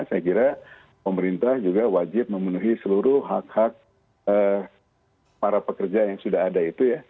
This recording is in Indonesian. saya kira pemerintah juga wajib memenuhi seluruh hak hak para pekerja yang sudah ada itu ya